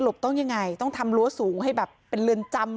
ต้องยังไงต้องทำรั้วสูงให้แบบเป็นเรือนจำ